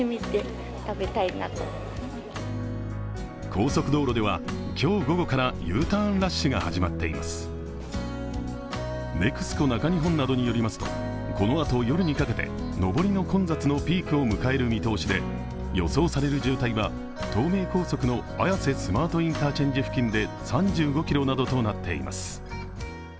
高速道路では、今日午後からＵターンラッシュが始まっていますＮＥＸＣＯ中日本などによりますとこのあと夜にかけて上りの混雑のピークを迎える見通しで予想される渋滞は東名高速の綾瀬スマートインターチェンジ付近で３５ｋｍなどとなっています。